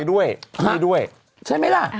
ดื่มน้ำก่อนสักนิดใช่ไหมคะคุณพี่